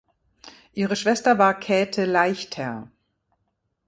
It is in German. Ihre Schwester war Käthe Leichter.